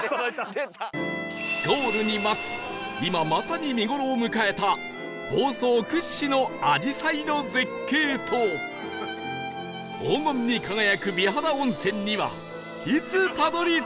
ゴールに待つ今まさに見頃を迎えた房総屈指のあじさいの絶景と黄金に輝く美肌温泉にはいつたどり着けるのか？